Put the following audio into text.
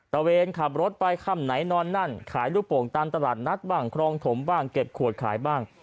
เวนขับรถไปค่ำไหนนอนนั่นขายลูกโป่งตามตลาดนัดบ้างครองถมบ้างเก็บขวดขายบ้าง